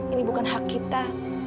ini bukan hak kita